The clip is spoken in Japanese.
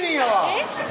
えっ？